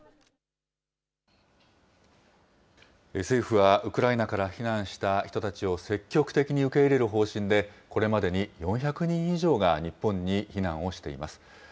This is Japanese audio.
政府はウクライナから避難した人たちを積極的に受け入れる方針で、これまでに４００人以上が日本に避難をしています。